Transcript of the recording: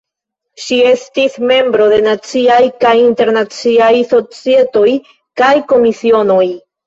Ŝi estis membro de Naciaj kaj Internaciaj Societoj kaj Komisionoj.